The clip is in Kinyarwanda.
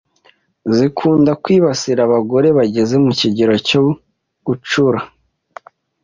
zikunda kwibasira abagore bageze mu kigero cyo gucura